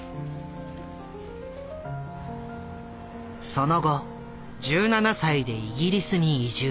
その後１７歳でイギリスに移住。